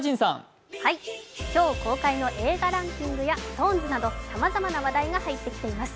今日公開の映画ランキングやＳｉｘＴＯＮＥＳなどさまざまな話題が入ってきています。